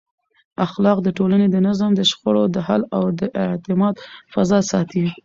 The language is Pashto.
اخلاق د ټولنې د نظم، د شخړو د حل او د اعتماد فضا ساتي.